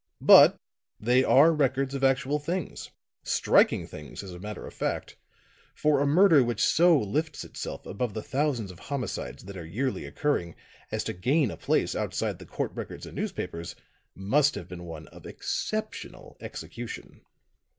But they are records of actual things striking things, as a matter of fact for a murder which so lifts itself above the thousands of homicides that are yearly occurring, as to gain a place outside the court records and newspapers, must have been one of exceptional execution."